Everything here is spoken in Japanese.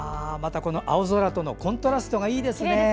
また、この青空とのコントラストがいいですね。